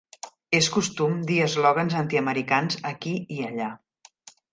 És costum dir eslògans antiamericans aquí i allà.